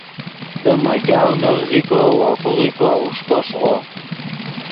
دے میگاؤ نیڤزیکو وو خوغیکو اوݰکو ݰیغو